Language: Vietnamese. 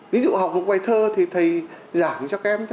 ví dụ học một bài thơ thì thầy giảng cho các em